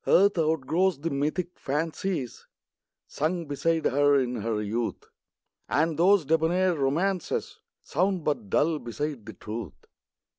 ARTH outgrows the mythic fancies Sung beside her in her youth ; And those debonair romances Sound but dull beside the truth.